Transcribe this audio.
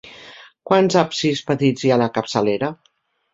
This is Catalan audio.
Quants absis petits hi ha a la capçalera?